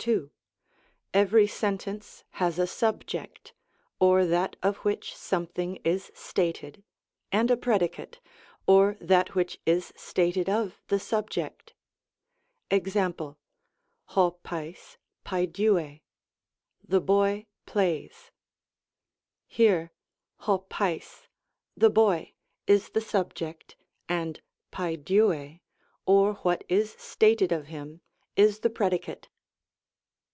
2. Every sentence has a subject, or that of which something is stated, and a predicate, or that which is stated of the subject. JEx.^ 6 Tualg naiStvtiy " the boy plays ;" here 6 Ttaig, " the boy," is the subject, and nachtvu^ or what is stated of him, is the predicate.